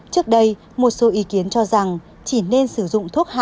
trước đây một số ý kiến cho rằng chỉ nên sử dụng thuốc